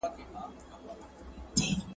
که څارنه وي نو تېروتنه نه پټېږي.